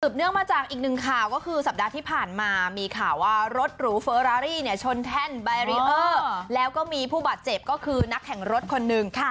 เนื่องมาจากอีกหนึ่งข่าวก็คือสัปดาห์ที่ผ่านมามีข่าวว่ารถหรูเฟอรารี่เนี่ยชนแท่นแบรีเออร์แล้วก็มีผู้บาดเจ็บก็คือนักแข่งรถคนหนึ่ง